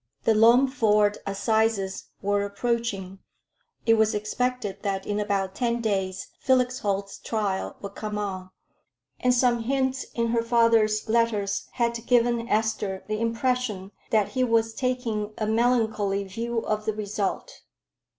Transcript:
The Loamford Assizes were approaching; it was expected that in about ten days Felix Holt's trial would come on, and some hints in her father's letters had given Esther the impression that he was taking a melancholy view of the result.